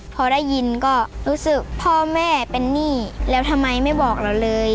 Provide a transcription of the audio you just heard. พอได้ยินก็รู้สึกพ่อแม่เป็นหนี้แล้วทำไมไม่บอกเราเลย